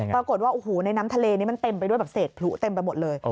ปรากฏว่าโอ้โหในน้ำทะเลนี้มันเต็มไปด้วยแบบเศษพลุเต็มไปหมดเลย